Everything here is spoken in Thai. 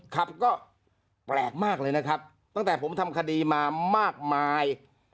ครับก็แปลกมากเลยนะครับตั้งแต่ผมทำคดีมามากมาย